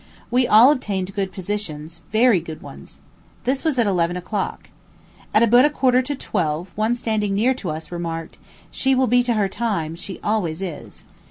We all obtained good positions very good ones. This was at eleven o'clock. At about a quarter to twelve, one standing near to us remarked, "She will be to her time; she always is."